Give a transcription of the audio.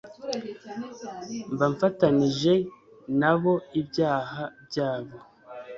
mba mfatanije nabo ibyaha byabo.